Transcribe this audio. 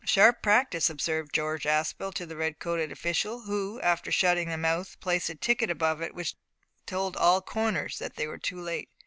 "Sharp practice!" observed George Aspel to the red coated official, who, after shutting the mouth, placed a ticket above it which told all corners that they were too late.